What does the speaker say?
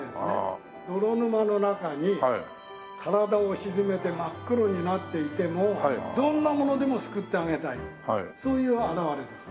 泥沼の中に体を沈めて真っ黒になっていてもどんなものでも救ってあげたいそういう表れなんです。